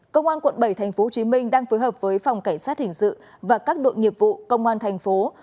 công an quận bảy tp hcm đang phối hợp với phòng cảnh sát hình sự và các đội nghiệp vụ công an thành phố